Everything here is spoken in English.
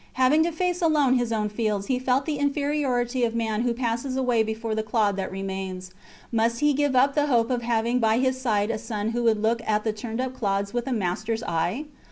Having to face alone his own fields, he felt the inferiority of man who passes away before the clod that remains. Must he give up the hope of having by his side a son who would look at the turned up sods with a masters eye?